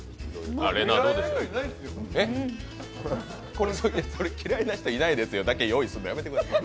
これ嫌いな人いないですよだけ用意すんのやめてください。